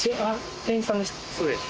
そうです。